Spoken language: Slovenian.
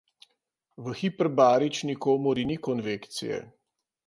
V hiperbarični komori ni konvekcije.